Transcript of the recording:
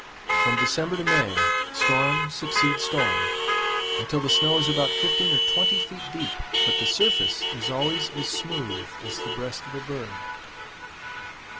From December to May, storm succeeds storm, until the snow is about fifteen or twenty feet deep, but the surface is always as smooth as the breast of a bird.